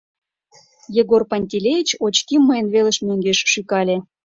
— Егор Пантелеич очким мыйын велыш мӧҥгеш шӱкале.